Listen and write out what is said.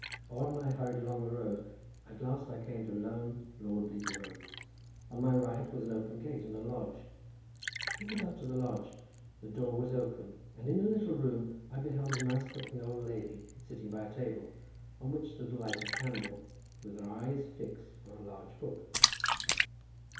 On I hurried along the road; at last I came to lone, lordly groves. On my right was an open gate and a lodge. I went up to the lodge. The door was open, and in a little room I beheld a nice looking old lady sitting by a table, on which stood a lighted candle, with her eyes fixed on a large book.